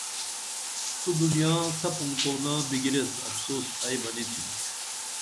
تو دُنیا سپُن کُونا بِگِریس افسوس ائی بہ نی تِھم